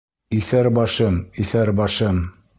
— Иҫәр башым, иҫәр башым!